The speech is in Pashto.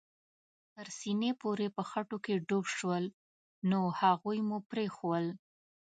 تر سېنې پورې په خټو کې ډوب شول، نو هغوی مو پرېښوول.